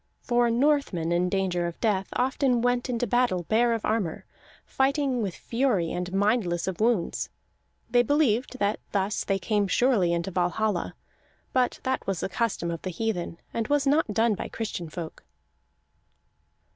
For Northmen, in danger of death, often went into battle bare of armor, fighting with fury and mindless of wounds. They believed that thus they came surely into Valhalla; but that was a custom of the heathen, and was not done by Christian folk.